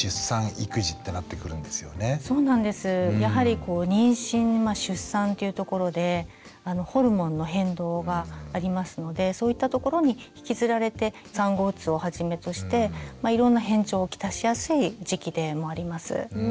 やはりこう妊娠出産っていうところでホルモンの変動がありますのでそういったところに引きずられて産後うつをはじめとしていろんな変調を来しやすい時期でもあります。